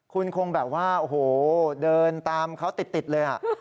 คุณคงแบบว่าโอ้โหเดินตามเขาติดเลย